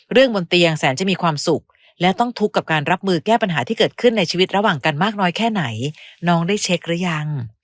บนเตียงแสนจะมีความสุขและต้องทุกข์กับการรับมือแก้ปัญหาที่เกิดขึ้นในชีวิตระหว่างกันมากน้อยแค่ไหนน้องได้เช็คหรือยัง